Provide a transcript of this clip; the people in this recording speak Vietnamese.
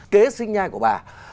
kế sinh nhai của bà